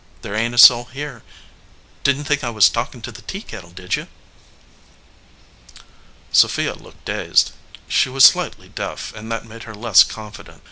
There ain t a soul here. Didn t think I was talkin to the teakettle, did you?" Sophia looked dazed. She was slightly deaf, and that made her less confident.